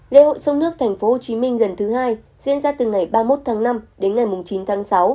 lễ hội sông nước thành phố hồ chí minh lần thứ hai diễn ra từ ngày ba mươi một tháng năm đến ngày chín tháng sáu